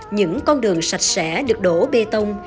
những con đường sạch sẽ được đổ bê tông